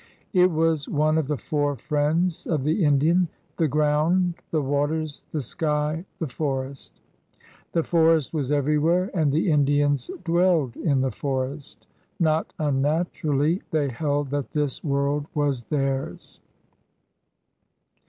It was one of the Four Friends of the Indian — the Ground, the Waters, the Sky, the Forest. The forest was everywhere, and the Indians dwelled in the forest. Not unnaturally they held that this world was theirs.